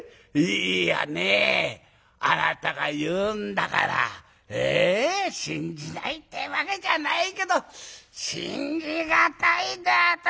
いやねあなたが言うんだから信じないってわけじゃないけど信じ難いな私。